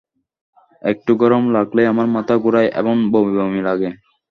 একটু গরম লাগলেই আমার মাথা ঘুরায় এবং বমি বমি লাগে।